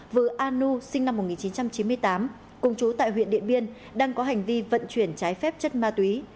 vừa a nu sinh năm một nghìn chín trăm chín mươi tám cùng chú tại huyện điện biên đang có hành vi vận chuyển trái phép chất ma túy